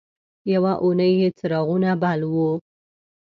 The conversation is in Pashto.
یوه اونۍ یې څراغونه بل وو.